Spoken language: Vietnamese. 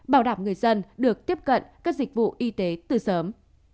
bảo đảm người dân được tiếp cận các dịch vụ y tế từ sớm